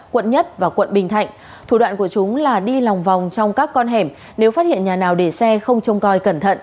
quận một và quận bình thạnh thủ đoạn của chúng là đi lòng vòng trong các con hẻm nếu phát hiện nhà nào để xe không trông coi cẩn thận